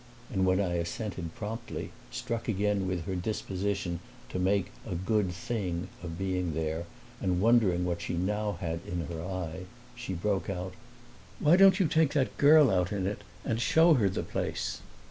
And when I assented, promptly, struck again with her disposition to make a "good thing" of being there and wondering what she now had in her eye, she broke out, "Why don't you take that girl out in it and show her the place?"